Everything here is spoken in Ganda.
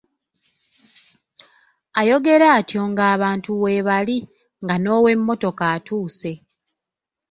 Ayogera atyo nga abantu weebali, nga n'ow'emmotoka atuuse.